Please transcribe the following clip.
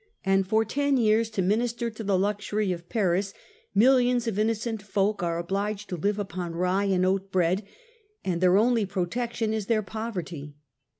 And for ten years, to minister to the luxury of Paris, millions of innocent folk are obliged to live upon rye and oat bread, and their only protection is their poverty.